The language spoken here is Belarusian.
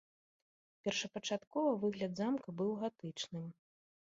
Першапачаткова выгляд замка быў гатычным.